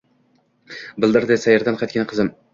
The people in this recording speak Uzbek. bidirladi sayrdan qaytgan qizim